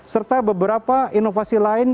serta beberapa inovasi lain